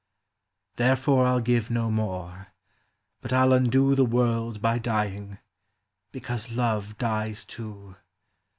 Therefore I '11 give no more, but I '11 undo The world by dying ; because Love dies too.